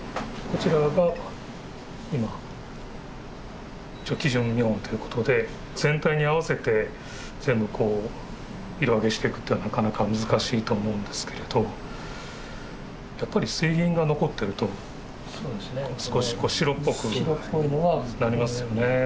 こちらが今基準見本ということで全体に合わせて全部色あげしていくというのはなかなか難しいと思うんですけれどやっぱり水銀が残ってると少し白っぽくなりますよね。